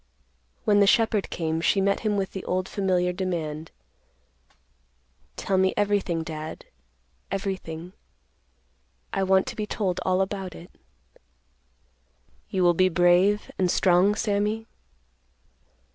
When the shepherd came, she met him with the old familiar demand, "Tell me everything, Dad; everything. I want to be told all about it." "You will be brave and strong, Sammy?"